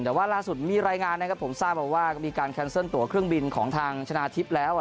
แต่ว่าล่าสุดมีรายงานนะครับผมทราบมาว่ามีการแคนเซิลตัวเครื่องบินของทางชนะทิพย์แล้ว